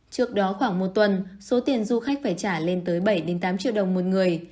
trước đó khoảng một tuần số tiền du khách phải trả lên tới bảy tám triệu đồng một người